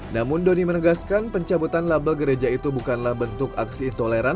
namun doni menegaskan pencabutan label gereja itu bukanlah bentuk aksi intoleran